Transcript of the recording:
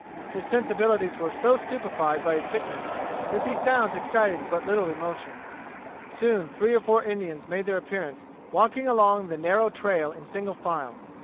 His sensibilities were so stupefied by his sickness that these sounds excited but little emotion. Soon three or four Indians made their appearance walking along the narrow trail in single file.